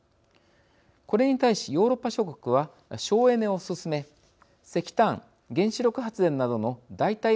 これに対しヨーロッパ諸国は省エネを進め石炭原子力発電などの代替エネルギーを導入。